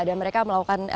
dan mereka melakukan